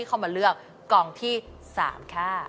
เข้ามาเลือกกล่องที่๓ค่ะ